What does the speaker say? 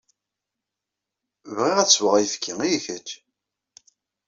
Bɣiɣ ad sweɣ ayefki, i kečč?